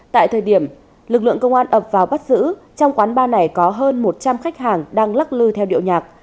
tại thời điểm lực lượng công an ập vào bắt giữ trong quán bar này có hơn một trăm linh khách hàng đang lắc lư theo điệu nhạc